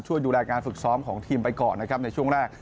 ช่วยดูแลการฝึกซ้อมของทีมไปก่อนนะครับในช่วงแรก